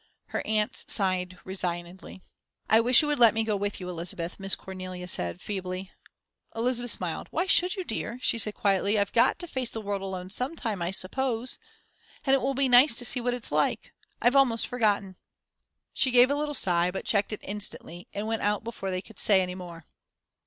Her aunts sighed resignedly. "I wish you would let me go with you, Elizabeth," Miss Cornelia said, feebly. Elizabeth smiled. "Why should you, dear?" she said, quietly. "I've got to face the world alone some time, I suppose. And it will be nice to see what it's like I've almost forgotten." She gave a little sigh, but checked it instantly, and went out before they could say any more.